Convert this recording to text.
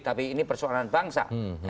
tapi ini persoalan bangsa